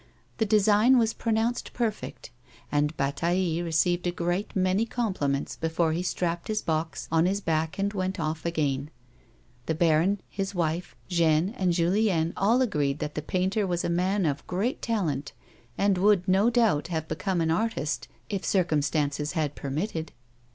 The design was pronounced perfect, and Bataille re ceived a great many compliments before he strapped his box on his back and went off again ; the baron, his wife, Jeanne and Julien all agreed that the painter was a man of great talent, and would, no doubt, have become an artist, if circumstances had permitted.